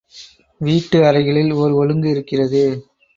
வீட்டு அறைகளில் ஓர் ஒழுங்கு இருக்கிறது.